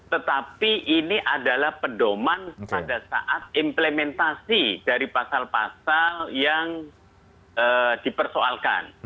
tetapi ini adalah pedoman pada saat implementasi dari pasal pasal yang dipersoalkan